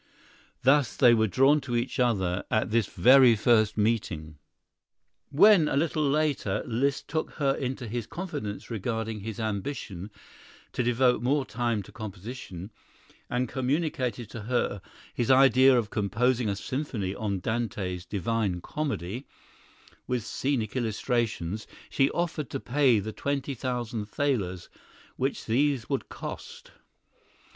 Thus they were drawn to each other at this very first meeting. When, a little later, Liszt took her into his confidence regarding his ambition to devote more time to composition, and communicated to her his idea of composing a symphony on Dante's "Divine Comedy" with scenic illustrations, she offered to pay the twenty thousand thalers which these would cost.